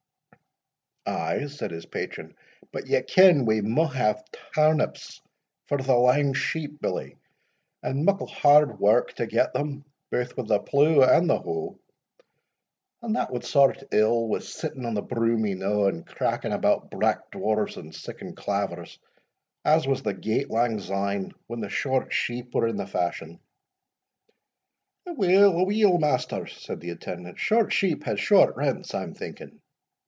"Ay," said his patron, "but ye ken we maun hae turnips for the lang sheep, billie, and muckle hard wark to get them, baith wi' the pleugh and the howe; and that wad sort ill wi' sitting on the broomy knowe, and cracking about Black Dwarfs, and siccan clavers, as was the gate lang syne, when the short sheep were in the fashion." "Aweel, aweel, maister," said the attendant, "short sheep had short rents, I'm thinking."